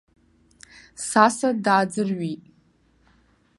Саса дааӡырҩит.